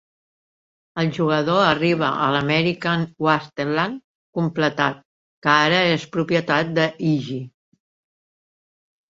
El jugador arriba al American Wasteland completat, que ara és propietat d'en Iggy.